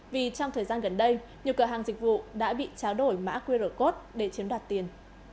vì trong thời gian gần đây nhiều cửa hàng dịch vụ đã bị tráo đổi mã qr code để chiếm đoạt tiền